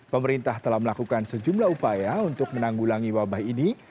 pemerintah telah melakukan sejumlah upaya untuk menanggulangi wabah ini